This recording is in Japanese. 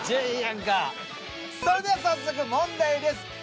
それでは早速問題です。